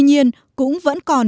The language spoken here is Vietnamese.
tuy nhiên cũng vẫn còn